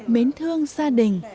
mến thương gia đình